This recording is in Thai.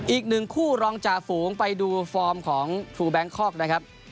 อีกหนึ่งคู่รองจ่าฝูงไปดูฟอร์มของทรูแบงคอกนะครับ